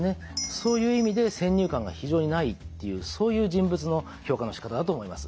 そういう意味で先入観が非常にないっていうそういう人物の評価のしかただと思います。